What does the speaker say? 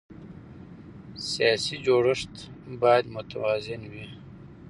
سیاسي جوړښت باید متوازن وي